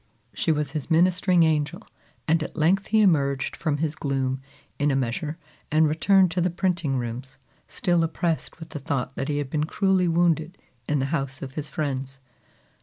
She was his ministering angel, and at length he emerged from his gloom in a measure and returned to the printing rooms, still oppressed with the thought that he had been cruelly wounded in the house of his friends.